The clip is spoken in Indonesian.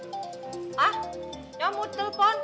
hah nyomut telpon